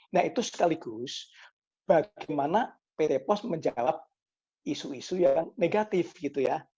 nah itu sekaligus bagaimana pt pos menjawab isu isu yang negatif gitu ya